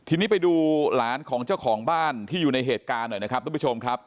ทีนี้ไปดูหลานของเจ้าของบ้านที่อยู่ในเหตุการณ์หน่อยนะครับทุกผู้ชมครับ